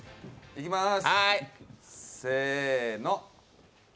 いきまーす。